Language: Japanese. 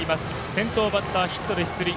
先頭バッター、ヒットで出塁。